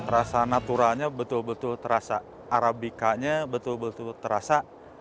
rasa naturalnya betul betul terasa arabicanya betul betul terasa